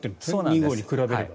２号に比べると。